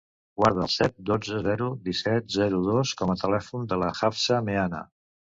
Guarda el set, dotze, zero, disset, zero, dos com a telèfon de la Hafsa Meana.